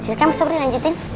silahkan koso bri lanjutin